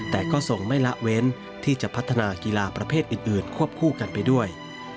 แต่ก็ส่งไม่ละเว้นที่จะพัฒนากีฬาประเภทอื่นควบคู่กันไปด้วย